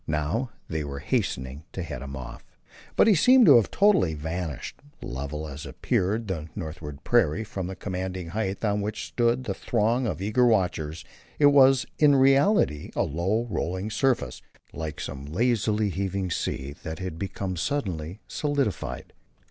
Now they were hastening to head him off. But he seemed to have totally vanished. Level as appeared the northward prairie from the commanding height on which stood the throng of eager watchers, it was in reality a low, rolling surface like some lazily heaving sea that had become suddenly solidified.